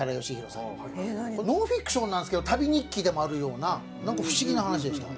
ノンフィクションなんですけど旅日記でもあるようななんか不思議な話でした。